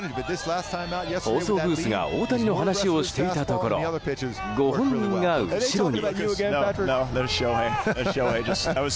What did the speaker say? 放送ブースが大谷の話をしていたところご本人が後ろに。